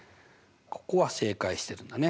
ここは正解してるんだね。